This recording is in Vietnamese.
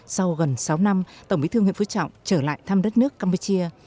sau gần sáu năm tổng bí thư nguyễn phú trọng trở lại thăm đất nước campuchia